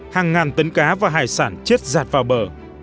hàng ngàn tấn cá và hải sản chết giạt vào bờ